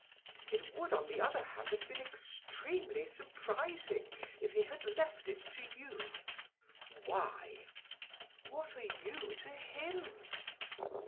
It would on the other hand have been extremely surprising if he had left it to you." "Why?" "What are you to him?"